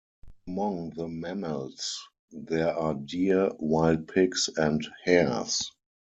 Among the mammals, there are deer, wild pigs and hares.